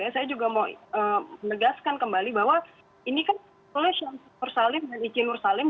saya juga mau menegaskan kembali bahwa ini kan oleh syamsul dan icinursalim